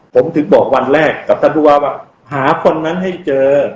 ผมถึงบอกวันแรกกับท่านผู้ว่าว่าหาคนนั้นให้เจอ